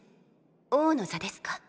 王の座ですか？